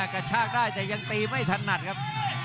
กระชากได้แต่ยังตีไม่ถนัดครับ